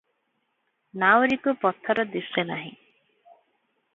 ନାଉରୀକୁ ପଥର ଦିଶେନାହିଁ ।